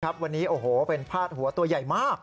วันนี้โอ้โหเป็นพาดหัวตัวใหญ่มาก